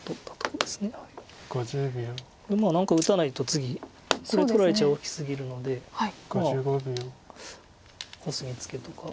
これ何か打たないと次これ取られちゃ大きすぎるのでまあコスミツケとか。